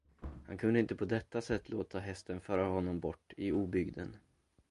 Han kunde inte på detta sätt låta hästen föra honom bort i obygden.